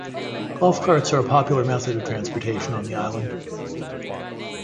Golf carts are a popular method of transportation on the island.